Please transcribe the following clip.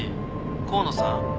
河野さん？